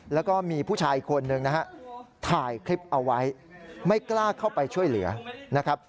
แล้วก็มีผู้ชายอีกคนนึงนะฮะถ่ายคลิปเอาไว้ไม่กล้าเข้าไปช่วยเหลือนะครับ